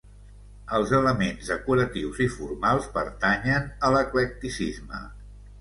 Els elements decoratius i formals pertanyen a l'eclecticisme.